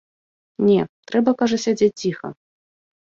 Не, трэба, кажа, сядзець ціха.